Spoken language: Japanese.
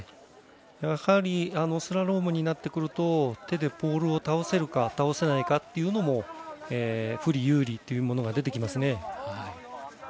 やはり、スラロームになってくると手でポールを倒せるか倒せないかというのも不利有利っていうものが出てきますね。